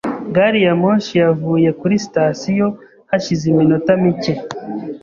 Gari ya moshi yavuye kuri sitasiyo hashize iminota mike .